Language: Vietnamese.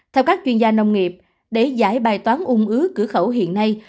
theo các chuyên gia nông nghiệp để giải bài toán ung ứ cửa khẩu hiện nay